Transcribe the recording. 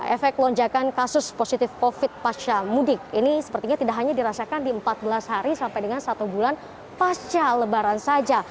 efek lonjakan kasus positif covid pasca mudik ini sepertinya tidak hanya dirasakan di empat belas hari sampai dengan satu bulan pasca lebaran saja